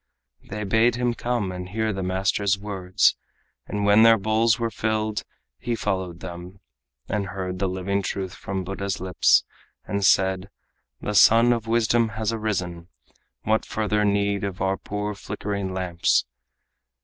They bade him come and hear the master's words, And when their bowls were filled, he followed them, And heard the living truth from Buddha's lips, And said: "The sun of wisdom has arisen. What further need of our poor flickering lamps?"